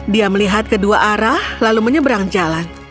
dia melihat kedua arah lalu menyeberang jalan